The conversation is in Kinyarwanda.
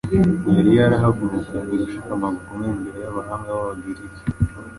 Yari yarahagurukanye gushikama gukomeye imbere y’abahanga b’Abagiriki